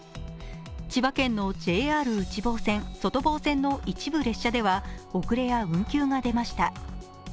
千葉県のＪＲ内房線、外房線の一部列車では遅れや運休が出ました。